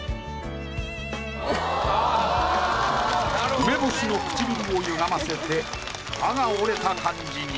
梅干しの唇をゆがませて歯が折れた感じに。